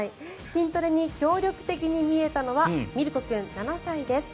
筋トレに協力的に見えたのはミルコ君、７歳です。